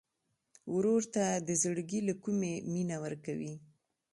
ورور ته د زړګي له کومي مینه ورکوې.